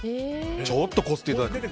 ちょっとこすっていただくと。